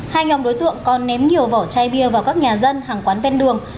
hai nhóm đối tượng còn ném nhiều vỏ chai bia vào các nhà dân hàng quán ven đường